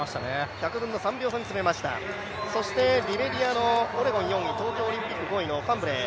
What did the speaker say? １００分の３秒差に詰めました、そしてリベリアのオレゴン４位東京オリンピック５位のファンブレー。